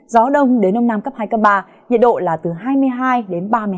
gió đông đến nông nam cấp hai ba nhiệt độ là từ hai mươi hai ba mươi hai độ